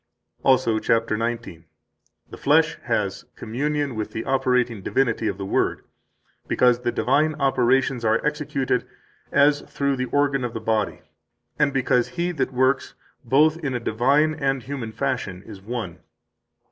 34 Also, chap. 19: The Flesh has communion with the operating divinity of the Word, because the divine operations are executed as through the organ of the body, and because He that works both in a divine and human fashion is one.